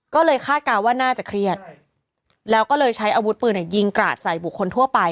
ก็เลยคาดการณ์ว่าน่าจะเครียดแล้วก็เลยใช้อาวุธปืนยิงกราดใส่บุคคลทั่วไป